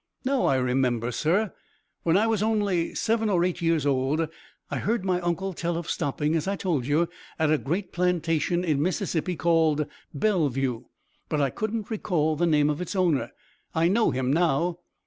"Now I remember, sir. When I was only seven or eight years old I heard my uncle tell of stopping, as I told you, at a great plantation in Mississippi called Bellevue, but I couldn't recall the name of its owner. I know him now."